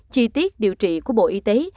chi tiết điều trị của bộ y tế